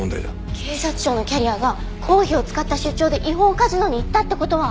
警察庁のキャリアが公費を使った出張で違法カジノに行ったって事は。